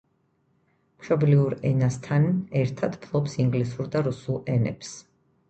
მშობლიურ ენასთანე ერთად ფლობს ინგლისურ და რუსულ ენებს.